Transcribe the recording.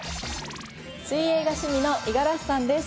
水泳が趣味の五十嵐さんです。